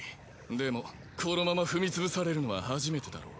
でもこのまま踏み潰されるのは初めてだろう。